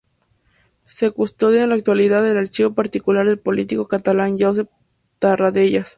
Se custodia en la actualidad el archivo particular del político catalán Josep Tarradellas.